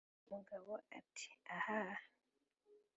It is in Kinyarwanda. umugabo, ati "ahaaa,